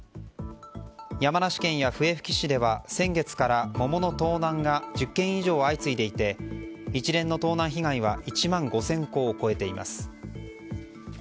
山梨市や笛吹市では先月から、桃の盗難が１０件以上、相次いでいて一連の盗難被害は１万５０００個を超えています。